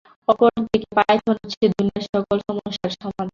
অপরদিকে পাইথন হচ্ছে দুনিয়ার সকল সমস্যার সমাধান!